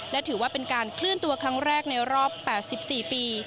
และถือว่าเป็นการเคลื่อนตัวครั้งแรกในรอบ๘๔ปี